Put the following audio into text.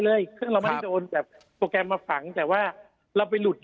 เราไม่ได้โดนแบบโปรแกรมมาฝังแต่ว่าเราไปหลุด